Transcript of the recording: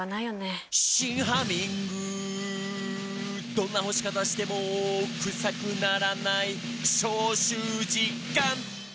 「どんな干し方してもクサくならない」「消臭実感！」